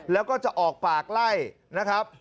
แล้วก็จะออกปากไล่นะครับ